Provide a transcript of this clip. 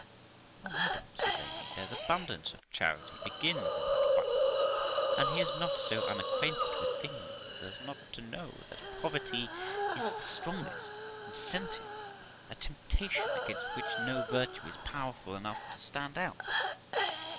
'Oh, madam', says Amy, 'there's abundance of charity begins in that vice; and he is not so unac quainted with things as not to know that poverty is the strongest incen tive a temptation against which no virtue is powerful enough to stand out.